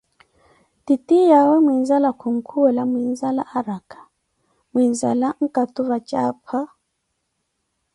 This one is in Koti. Titiyawe muinzala khunkhuwela muinzala arakah, muinzala nkatu vatjaapha